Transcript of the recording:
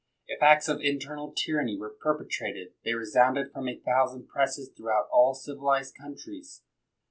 If acts of internal tyranny were perpetrated, they resounded from a thou sand presses throughout all civilized countries.